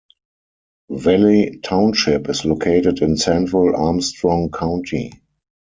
Valley Township is located in central Armstrong County.